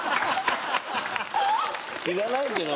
知らないけど。